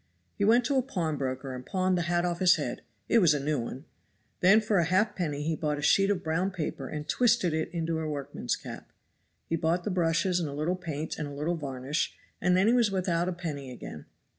He went to a pawnbroker and pawned the hat off his head it was a new one; then for a halfpenny he bought a sheet of brown paper and twisted it into a workman's cap; he bought the brushes and a little paint and a little varnish, and then he was without a penny again.